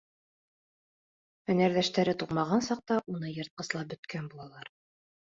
Һөнәрҙәштәре туҡмаған саҡта уны йыртҡыслап бөткән булалар.